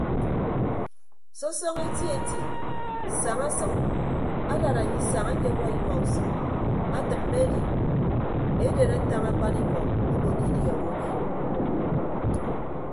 Sọsọñọ eti eti saña sʌñ adad anye isañ akewuo inua usʌñ atịmme edi edet atañ akpanikọ obo ke idiọñọke.